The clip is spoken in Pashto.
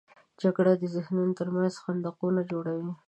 جګړه د ذهنونو تر منځ خندقونه جوړوي